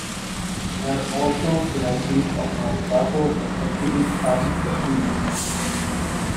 There are also varieties of marmitako that substitute salmon for tuna.